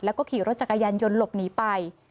แล้วก็ขี่รถจักรยานยนต์หลบหนีไป